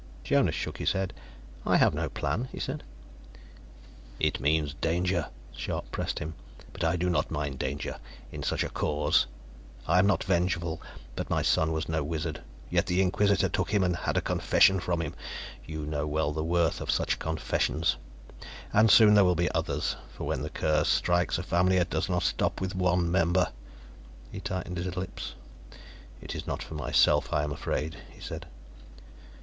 Jonas shook his head. "I have no plan," he said. "It means danger," Scharpe pressed him. "But I do not mind danger, in such a cause. I am not vengeful, but my son was no wizard. Yet the Inquisitor took him and had a confession from him; you know well the worth of such confessions. And soon there will be others, for when the curse strikes a family it does not stop with one member." He tightened his lips. "It is not for myself I am afraid," he said.